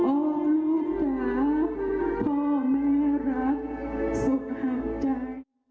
โอ้ลูกหลักพ่อแม่รักสุขหักใจ